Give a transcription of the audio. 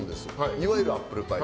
いわゆるアップルパイ。